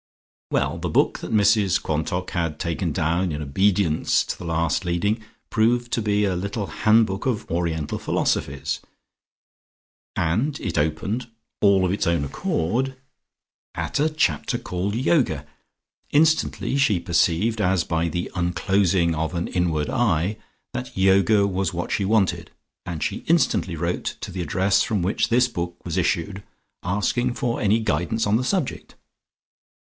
Well, the book that Mrs Quantock had taken down in obedience to the last leading proved to be a little handbook of Oriental Philosophies, and it opened, "all of its own accord," at a chapter called Yoga. Instantly she perceived, as by the unclosing of an inward eye, that Yoga was what she wanted and she instantly wrote to the address from which this book was issued asking for any guidance on the subject.